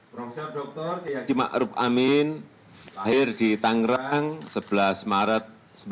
profesor dr kiai haji ma'ruf amin lahir di tangerang sebelas maret seribu sembilan ratus empat puluh tiga